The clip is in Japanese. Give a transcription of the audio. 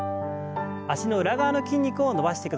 脚の裏側の筋肉を伸ばしてください。